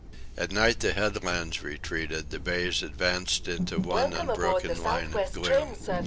At night the headlands retreated, the bays advanced into one unbroken line of gloom.